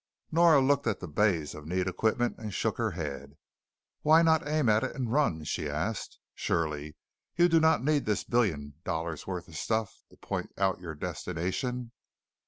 Nora looked at the bays of neat equipment and shook her head. "Why not aim at it and run?" she asked. "Surely you do not need this billion dollars' worth of stuff to point out your destination."